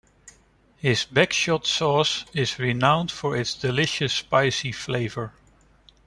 His "backshot" sauce is renowned for its delicious, spicy flavor.